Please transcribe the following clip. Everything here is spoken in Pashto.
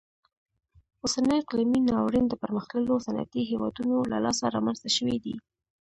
اوسنی اقلیمي ناورین د پرمختللو صنعتي هیوادونو له لاسه رامنځته شوی دی.